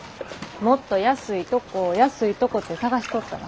もっと安いとこ安いとこって探しとったら。